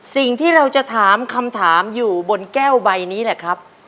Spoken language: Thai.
สิ่งที่เราจะถามคำถามอยู่บนแก้วใบนี้แหละครับ